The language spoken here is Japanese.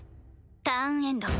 ターンエンド。